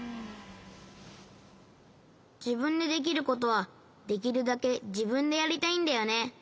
じぶんでできることはできるだけじぶんでやりたいんだよね。